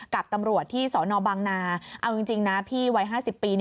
กับตำรวจที่สนบางนาเอาจริงนะพี่วัย๕๐ปี